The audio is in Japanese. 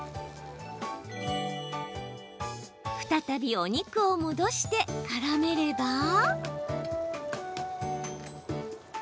再びお肉を戻して、からめれば。